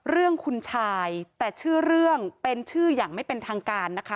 เรื่องคุณชายแต่ชื่อเรื่องเป็นชื่ออย่างไม่เป็นทางการนะคะ